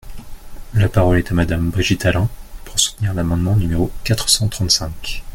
La parole est à Madame Brigitte Allain, pour soutenir l’amendement numéro quatre cent trente-cinq.